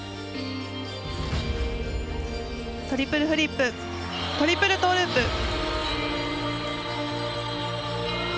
トリプルフリップ・トリプルトーループ。